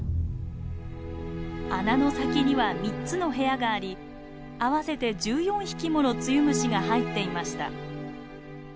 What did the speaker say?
穴の先には３つの部屋があり合わせて１４匹ものツユムシが入っていました。